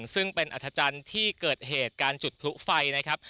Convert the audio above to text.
ซึ่งเป็นอัธจันทร์ที่เกิดเหตุการจุดพลุไฟนะครับ